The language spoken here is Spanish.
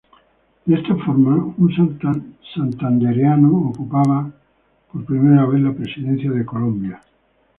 De esta forma, un santandereano ocupaba por primera vez la Presidencia de Colombia.